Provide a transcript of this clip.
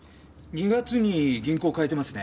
２月に銀行を変えてますね。